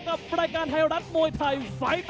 กับรายการไทยรัฐมวยไทยไฟล์๘